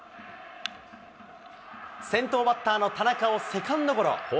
先頭バッターの田中をセカンドゴロ。